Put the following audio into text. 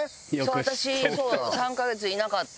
私そう３カ月いなかった。